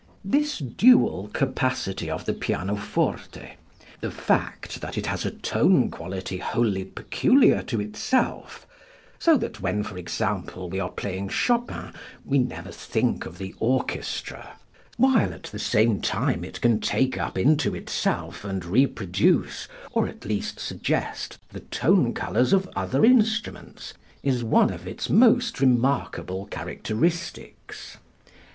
This dual capacity of the pianoforte, the fact that it has a tone quality wholly peculiar to itself, so that when, for example, we are playing Chopin we never think of the orchestra, while at the same time it can take up into itself and reproduce, or at least suggest, the tone colors of other instruments, is one of its most remarkable characteristics.